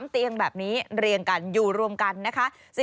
๓เตียงแบบนี้เรียงกันอยู่รวมกันนะคะ